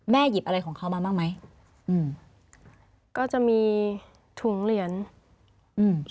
หยิบอะไรของเขามาบ้างไหมอืมก็จะมีถุงเหรียญอืม